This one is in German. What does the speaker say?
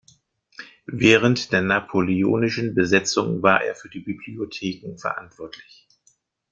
Während der napoleonischen Besetzung war er für die Bibliotheken verantwortlich.